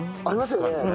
ありますよね